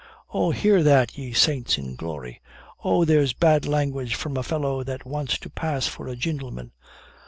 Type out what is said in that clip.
"Oh, hear that, ye saints in glory! Oh, there's bad language from a fellow that wants to pass for a jintleman.